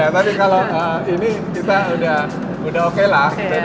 tapi kalau ini kita udah oke lah